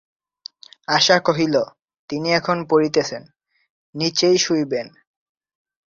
আশা কহিল, তিনি এখন পড়িতেছেন, নীচেই শুইবেন।